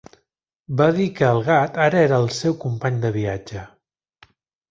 Va dir que el gat ara era el seu company de viatge.